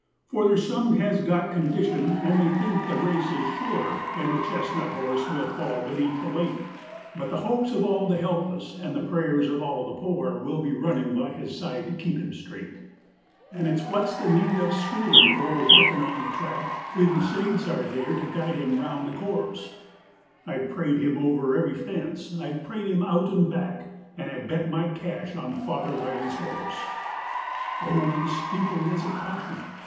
'For there's some has got condition, and they think the race is sure, And the chestnut horse will fall beneath the weight, But the hopes of all the helpless, and the prayers of all the poor, Will be running by his side to keep him straight. And it's what's the need of schoolin' or of workin' on the track, Whin the saints are there to guide him round the course! I've prayed him over every fence I've prayed him out and back! And I'll bet my cash on Father Riley's horse!' ..... Oh, the steeple was a caution!